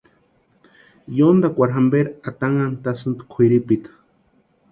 Yontakwarhu jamperu atanhantasïnti kwʼiripita.